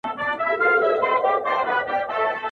ته به پر ګرځې د وطن هره کوڅه به ستاوي.!